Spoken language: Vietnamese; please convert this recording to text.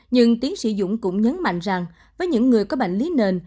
nhưng tiến sĩ dũng cũng nhấn mạnh rằng với những người có bệnh lý nền